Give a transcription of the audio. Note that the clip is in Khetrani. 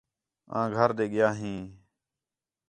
آں گھر ݙے ڳِیا ہیں